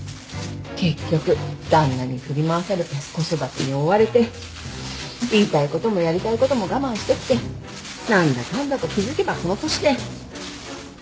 結局旦那に振り回されて子育てに追われて言いたいこともやりたいことも我慢してきて何だかんだと気付けばこの年で。